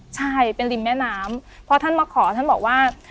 ใช่เป็นริมแม่น้ำพอท่านมาขอท่านบอกว่า